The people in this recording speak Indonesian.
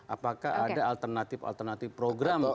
apakah ada alternatif alternatif program